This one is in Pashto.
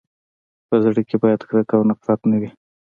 په زړه کي باید کرکه او نفرت نه وي.